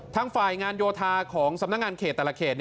ทางฝ่ายงานโยธาของสำนักงานเขตแต่ละเขต